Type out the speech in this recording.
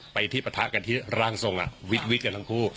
ไปที่ประท้ากันที่ร่างทรงอะวิสลิบกันทั้งครู่